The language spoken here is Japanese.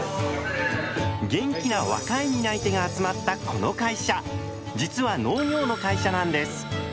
元気な若い担い手が集まったこの会社実は「農業の会社」なんです。